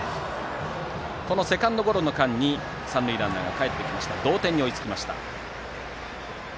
セカンドゴロの間に三塁ランナーがかえって同点に追いつきました。